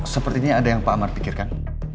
sepertinya ada yang pak amar pikirkan